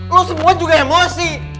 lu semua juga emosi